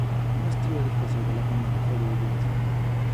Una estrella del Paseo de la Fama de Hollywood lleva su nombre